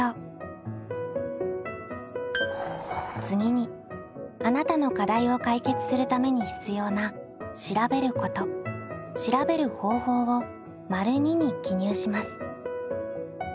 次にあなたの課題を解決するために必要な「調べること」「調べる方法」を②に記入します。